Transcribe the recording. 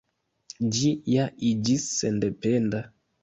Ĝi ja iĝis sendependa.